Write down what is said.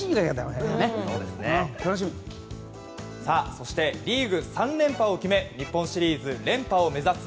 そしてリーグ３連覇を決め日本シリーズ連覇を目指す